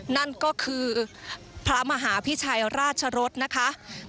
นั่นก็คือพระมหาพิชัยราชรสนะคะ